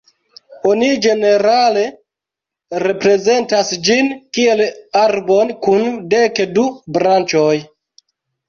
Oni ĝenerale reprezentas ĝin kiel arbon kun dek du branĉoj.